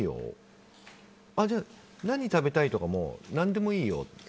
じゃあ、何食べたい？とかも何でもいいよって。